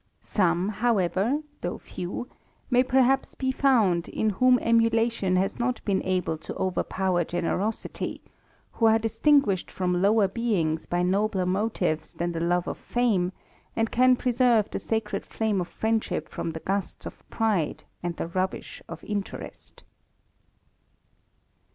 Some, however, though few, may perhaps be found, in whom emulation has not been able to overpower generosity, who are distinguished &om lower beings by nobler motives than the love of fame, and cajt preserve the sacred flame of friendship from the gusts { pride, and the rubbish of interest.